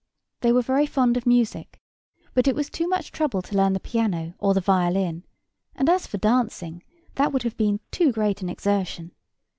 They were very fond of music, but it was too much trouble to learn the piano or the violin; and as for dancing, that would have been too great an exertion.